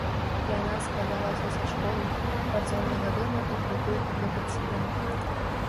Яна складалася са школы, працоўнага дома і прытулку для пацыентаў.